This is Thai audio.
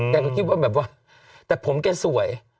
แกก็คิดว่าแบบว่าแต่ผมแกสวย